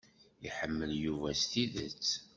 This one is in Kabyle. Iḥemmel Yuba s tidet.